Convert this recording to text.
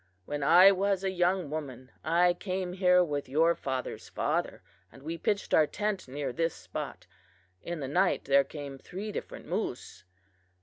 When I was a young woman, I came here with your father's father, and we pitched our tent near this spot. In the night there came three different moose.